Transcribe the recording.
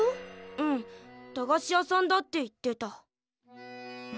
うん駄菓子屋さんだって言ってた。